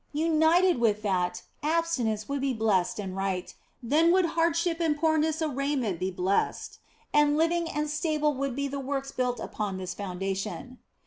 United with that, abstinence would be blessed and right, then would hardship and poorness of raiment be blessed, and living and stable would be the works builded upon this founda tion.